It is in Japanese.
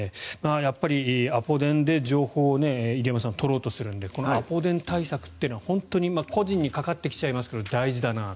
やっぱりアポ電で情報を入山さん、取ろうとするのでこのアポ電対策は個人にかかってきちゃいますが大事だなと。